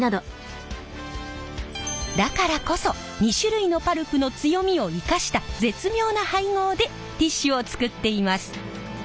だからこそ２種類のパルプの強みを生かした絶妙な配合でティッシュを作っています。